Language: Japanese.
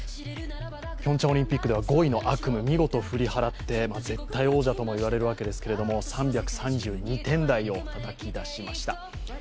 ピョンチャンオリンピックでは５位の悪夢、見事、振り払って絶対王者とも言われるわけですけれども３３２点台をたたき出しました。